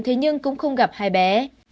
thế nhưng cũng không gặp hai bé